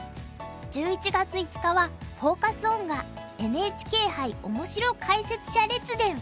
１１月５日はフォーカス・オンが「ＮＨＫ杯オモシロ解説者列伝」。